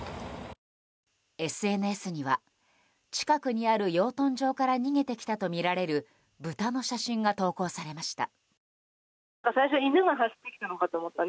ＳＮＳには近くにある養豚場から逃げてきたとみられる豚の写真が投稿されました。